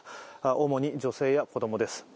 主に女性や子供です。